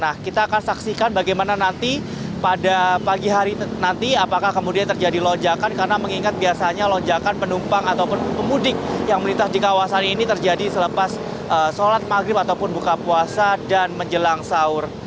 nah kita akan saksikan bagaimana nanti pada pagi hari nanti apakah kemudian terjadi lonjakan karena mengingat biasanya lonjakan penumpang atau pemudik yang melintas di kawasan ini terjadi selepas sholat maghrib ataupun buka puasa dan menjelang sahur